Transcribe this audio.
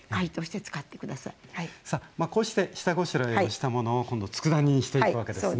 さあこうして下ごしらえをしたものを今度つくだ煮にしていくわけですね。